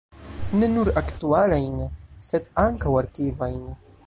Ne nur aktualajn, sed ankaŭ arkivajn.